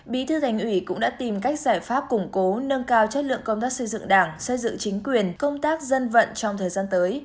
bí thư thành ủy cũng đã tìm cách giải pháp củng cố nâng cao chất lượng công tác xây dựng đảng xây dựng chính quyền công tác dân vận trong thời gian tới